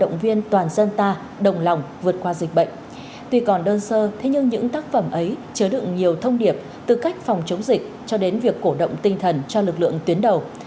động viên toàn dân ta đồng lòng vượt qua dịch bệnh tuy còn đơn sơ thế nhưng những tác phẩm ấy chứa đựng nhiều thông điệp từ cách phòng chống dịch cho đến việc cổ động tinh thần cho lực lượng tuyến đầu